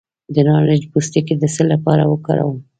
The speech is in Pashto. د نارنج پوستکی د څه لپاره وکاروم؟